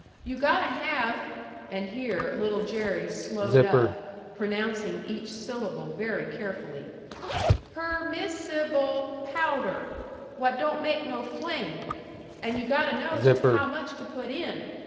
You gotta have " and here Little Jerry slowed up, pronouncing each syllable very carefully "per miss i ble powder what don't make no flame. And you gotta know just how much to put in.